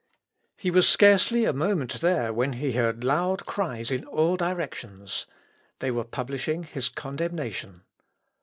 He was scarcely a moment there when he heard loud cries in all directions. They were publishing his condemnation.